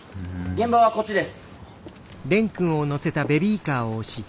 現場はこっちです。